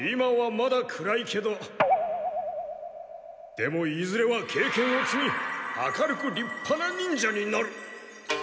でもいずれはけいけんをつみ明るくりっぱな忍者になる！